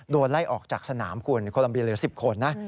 ไล่ออกจากสนามคุณโคลัมเบียเหลือ๑๐คนนะ